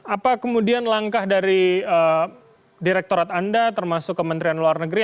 apa kemudian langkah dari direktorat anda termasuk kementerian luar negeri